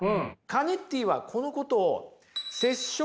カネッティはこのことを接触